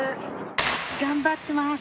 頑張ってます！